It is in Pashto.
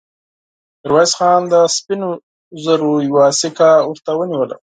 ميرويس خان د سپينو زرو يوه سيکه ورته ونيوله.